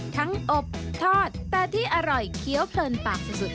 อบทอดแต่ที่อร่อยเคี้ยวเพลินปากสุด